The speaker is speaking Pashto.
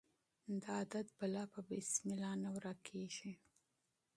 د عادت بلا په بسم الله نه ورکیږي.